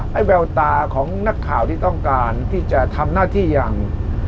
แววตาของนักข่าวที่ต้องการที่จะทำหน้าที่อย่าง